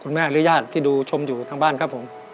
คุณแม่อะไรญาติที่ดูชมอยู่ทางบ้านครับผม